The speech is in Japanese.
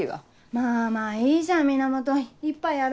まぁまぁいいじゃん源一杯やろ。